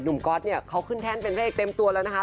หนุ่มก๊อตเนี่ยเขาขึ้นแทนเป็นแรกเต็มตัวแล้วนะคะ